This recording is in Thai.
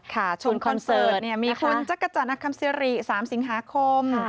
ค่ะช่วงคอนเสิร์ตเนี่ยมีคุณจักรจานักคำเสรี๓สิงหาคม